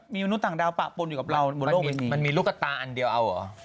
มีมนุษย์ต่างดาวปะปนอยู่กับเราบนโลกมันมีลูกตาอันเดียวเอาเหรอ